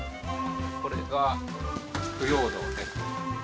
これが腐葉土です。